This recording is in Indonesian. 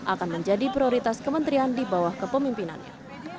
akan menjadi prioritas kementerian di bawah kepemimpinannya